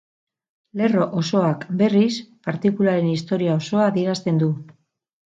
Lerro osoak berriz, partikularen historia osoa adierazten du.